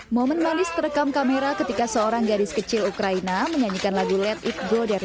momen manis terekam kamera ketika seorang gadis kecil ukraina menyanyikan lagu lat it go dari